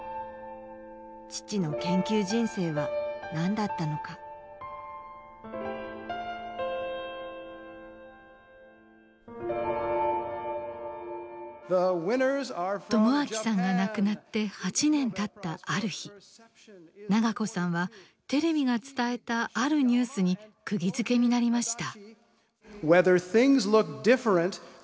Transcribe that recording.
父の研究人生は何だったのか知彰さんが亡くなって８年たったある日永子さんはテレビが伝えたあるニュースにくぎづけになりました。